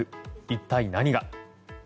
一体何が。